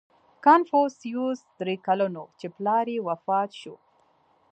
• کنفوسیوس درې کلن و، چې پلار یې وفات شو.